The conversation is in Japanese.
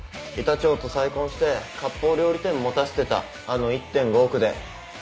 板長と再婚してかっぽう料理店持たせてたあの１．５億で。